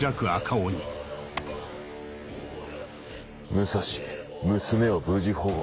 「武蔵娘を無事保護」。